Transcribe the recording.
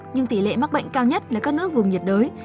nhưng tỷ lệ mắc bệnh cao nhất là các nước vùng nhiệt đới